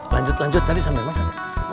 lanjut lanjut tadi sambil makan